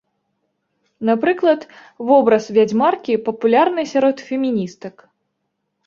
Напрыклад, вобраз вядзьмаркі папулярны сярод феміністак.